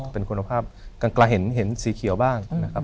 เป็นคุณภาพกลางเห็นสีเขียวบ้างนะครับ